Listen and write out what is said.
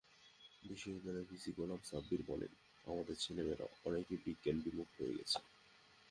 বিশ্ববিদ্যালয় ভিসি গোলাম সাব্বির বলেন, আমাদের ছেলে-মেয়েরা অনেকেই বিজ্ঞানবিমুখ হয়ে গেছে।